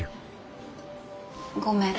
ごめん。